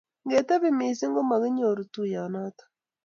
ngetebi missing komaginyoru tuiyet noto